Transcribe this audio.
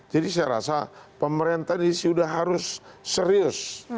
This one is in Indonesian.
jadi saya rasa pemerintahan ini sudah harus serius